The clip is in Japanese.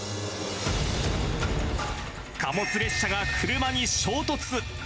貨物列車が車に衝突。